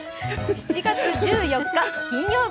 ７月１４日金曜日。